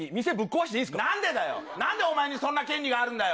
なんでお前にそんな権利があんだよ。